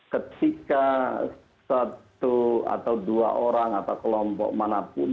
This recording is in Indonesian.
ketika satu atau dua orang atau kelompok manapun